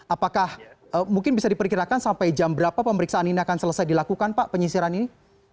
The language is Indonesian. apakah mungkin bisa diperkirakan sampai jam berapa pemeriksaan ini akan selesai dilakukan pak penyisiran ini